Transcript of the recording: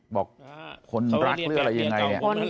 บอกคนรักหรืออะไรยังไง